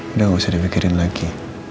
udah gak usah dipikirin lagi